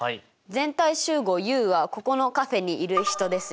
全体集合Ｕはここのカフェにいる人ですよ。